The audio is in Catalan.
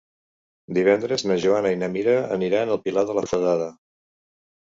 Divendres na Joana i na Mira aniran al Pilar de la Foradada.